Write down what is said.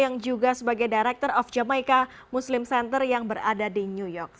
yang juga sebagai director of jamaica muslim center yang berada di new york